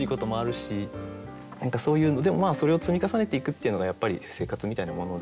何かそういうでもそれを積み重ねていくっていうのがやっぱり生活みたいなもので。